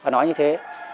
nói như thế